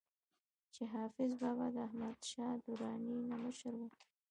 چې حافظ بابا د احمد شاه دراني نه مشر وو